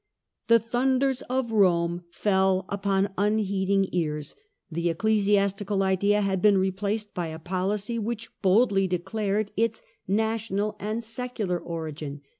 The thunders of Rome fell upon unheeding ears ; the ecclesiastical idea had been replaced Ijy a policy which boldly declared its national 1648. 3 Peace of Westphalia. and secular origin.